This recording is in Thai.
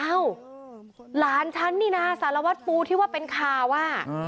หลานฉันนี่นะสารวัตรปูที่ว่าเป็นข่าวอ่ะ